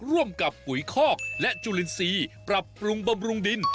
ร่วมกับปุ๋ยคอกและจุลินทรีย์ปรับปรุงบำรุงดิน